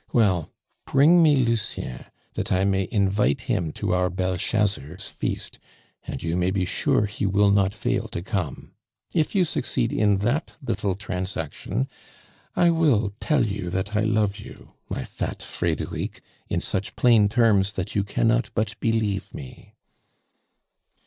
"Well, bring me Lucien that I may invite him to our Belshazzar's feast, and you may be sure he will not fail to come. If you succeed in that little transaction, I will tell you that I love you, my fat Frederic, in such plain terms that you cannot but believe me."